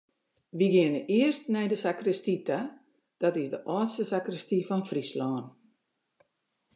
We geane earst nei de sakristy ta, dat is de âldste sakristy fan Fryslân.